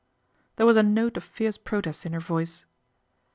There was a note of fierce protest in her voice.